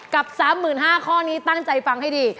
กับ๓๕๐๐ข้อนี้ตั้งใจฟังให้ดี